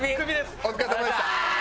お疲れさまでした。